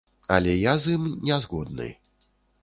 Але я з ім не згодны.